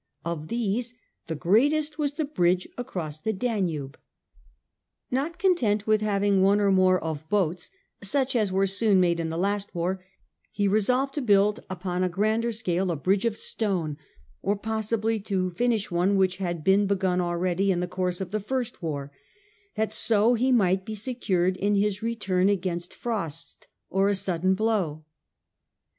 Of these the ^* preparations greatest was the bridge across the Danube, and built a Not content with having one or more of boats, stone*acros» such as were soon made in the last war, he Danube, resolved to build upon a grander scale a bridge of stone, or possibly to finish one which had been begun already in the course of the first war, that so he might be secured in his return against frost or a sudden blow.